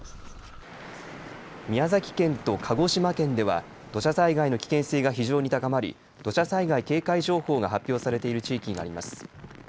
宮崎県と鹿児島県では土砂災害の危険性が非常に高まり土砂災害警戒情報が発表されている地域があります。